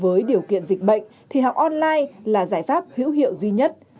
với điều kiện dịch bệnh thì học online là giải pháp hữu hiệu duy nhất